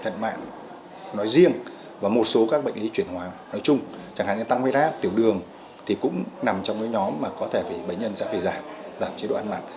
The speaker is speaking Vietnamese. thật mạng nói riêng và một số các bệnh lý chuyển hóa nói chung chẳng hạn như tăng huyết áp tiểu đường thì cũng nằm trong cái nhóm mà có thể vì bệnh nhân sẽ phải giảm giảm chế độ ăn mặn